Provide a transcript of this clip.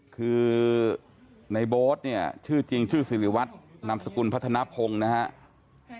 คือในโบสถ์ชื่อจริงชื่อศิริวัตรนำสกุลพัฒนาพงศ์นะครับ